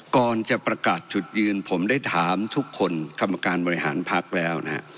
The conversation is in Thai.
ก่อนจะประกาศจุดยืนผมได้ถามทุกคนกรรมการบริหารพักแล้วนะฮะ